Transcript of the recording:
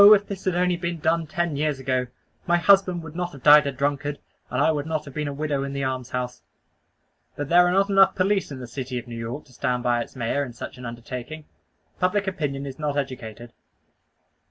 if this had only been done ten years ago, my husband would not have died a drunkard, and I would not have been a widow in the almshouse." But there are not enough police in the city of New York to stand by its Mayor in such an undertaking; public opinion is not educated.